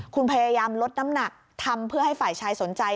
คุณพยายามลดน้ำหนักทำเพื่อให้ฝ่ายชายสนใจ